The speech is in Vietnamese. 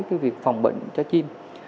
cái việc phòng bệnh cho chim